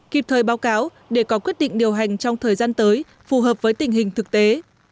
kịp thời báo cáo để có quyết định điều hành trong thời gian tới phù hợp với tình hình thực tế